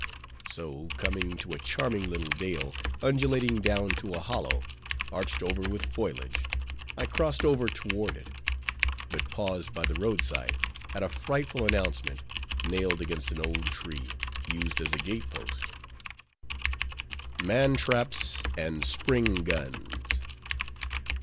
So, coming to a charming little dale, undulating down to a hollow, arched over with foliage, I crossed over toward it; but paused by the road side at a frightful announcement, nailed against an old tree, used as a gate post— "MAN TRAPS AND SPRING GUNS!"